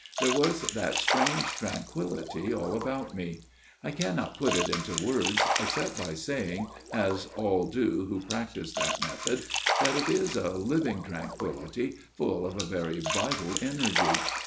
There was that strange tranquillity all about me. ... I cannot put it into words except by saying, as all do who practise that method, that it is a living tranquillity full of a very vital energy.